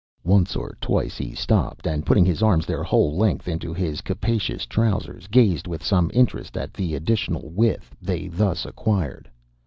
Once or twice he stopped, and putting his arms their whole length into his capacious trousers, gazed with some interest at the additional width they thus acquired.